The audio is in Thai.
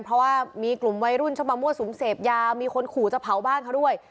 เพราะว่ามีกลุ่มวัยรุ่นชอบมามั่วสุมเสพยามีคนขู่จะเผาบ้านเขาด้วย